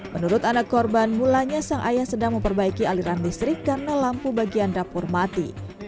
menurut anak korban mulanya sang ayah sedang memperbaiki aliran listrik karena lampu bagian dapur mati